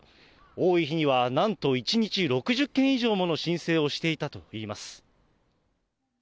多い日にはなんと１日６０件以上もの申請をしていたといいます。